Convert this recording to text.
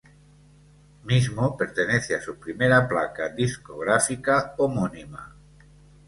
Mismo pertenece a su primera placa discográfica homónima.